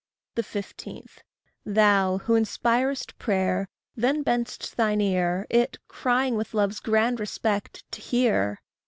15. Thou who inspirest prayer, then bend'st thine ear; It, crying with love's grand respect to hear!